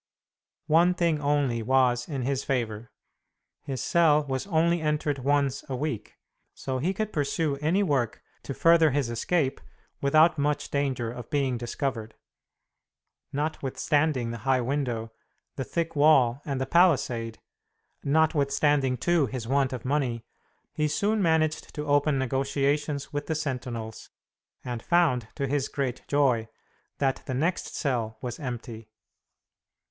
One thing only was in his favor. His cell was only entered once a week, so he could pursue any work to further his escape without much danger of being discovered. Notwithstanding the high window, the thick wall, and the palisade notwithstanding, too, his want of money he soon managed to open negotiations with the sentinels, and found, to his great joy, that the next cell was empty.